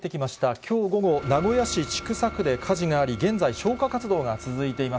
きょう午後、名古屋市千種区で、火事があり、現在、消火活動が続いています。